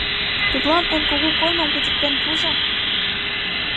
— Тудлан эн кугу кольмым кучыктен пуыза!